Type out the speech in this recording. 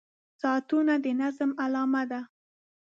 • ساعتونه د نظم علامه ده.